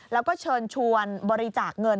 แล้วก็เชิญชวนบริจาคเงิน